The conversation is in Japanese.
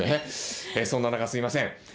その中、すいません。